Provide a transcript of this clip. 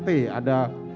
tadi ada beberapa art